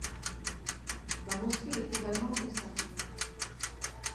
La mosquée est également conservée.